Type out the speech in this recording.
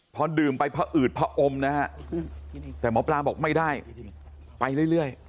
พอดื่มไปผอืดผอมนะฮะแต่หมอปลาบอกไม่ได้ไปเรื่อย